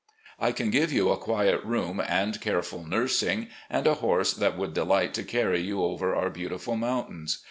I can give you a quiet room, and careful nursing, and a horse that would delight to carry you over our beautiful moun tains.